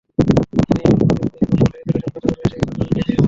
কিন্তু তিনি কৌশলে রেজ্যুলেশন খাতায় প্রতিষ্ঠাতা হিসেবে তাঁর নাম লিখিয়ে নিয়েছিলেন।